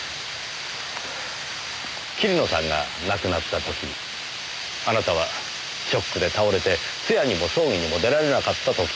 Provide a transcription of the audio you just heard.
桐野さんが亡くなった時あなたはショックで倒れて通夜にも葬儀にも出られなかったと聞きました。